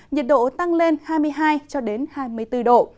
nhiệt độ tăng lên hai mươi hai hai mươi bốn độ